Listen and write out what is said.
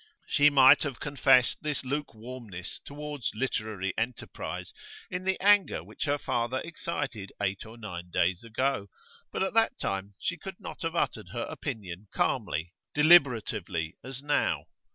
She might have confessed this lukewarmness towards literary enterprise in the anger which her father excited eight or nine days ago, but at that time she could not have uttered her opinion calmly, deliberately, as now.